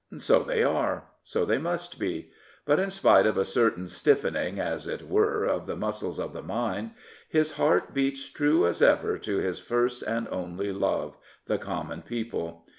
So they are; so they must be. But, in spite of a certain stiffening, as it were, of the muscles of the mind, his heart beats true as ever to his first and only love — the common people.